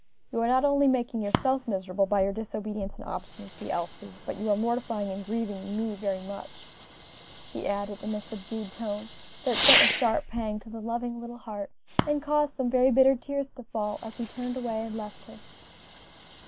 You are not only making yourself miserable by your disobedience and obstinacy, Elsie, but are mortifying and grieving me very much," he added in a subdued tone, that sent a sharp pang to the loving little heart, and caused some very bitter tears to fall, as he turned away and left her.